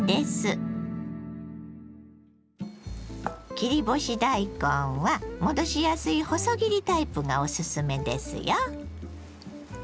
切り干し大根は戻しやすい細切りタイプがおすすめですよ。